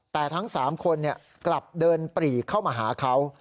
แต่ทั้ง๓คนกลับเดินปรีเข้ามาหาเขา